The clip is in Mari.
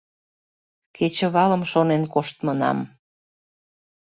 Кечывалым шонен коштмынам.